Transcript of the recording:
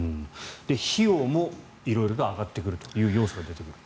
費用も色々と上がってくる要素が出てくると。